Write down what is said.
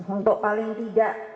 untuk paling tidak